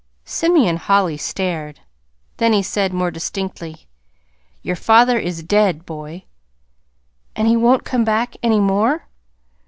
Simeon Holly stared. Then he said more distinctly: "Your father is dead, boy." "And he won't come back any more?"